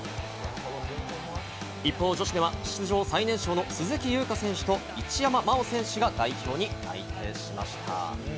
一方、女子では出場最年少の鈴木優花選手と一山麻緒選手が代表に内定しました。